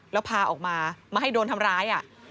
แล้วพาออกมามาให้โดนทำร้าย